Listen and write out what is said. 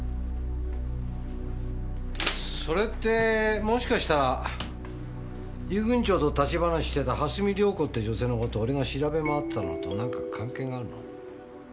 それってもしかしたら遊軍長と立ち話してた蓮見遼子って女性の事を俺が調べ回ってたのと何か関係があるの？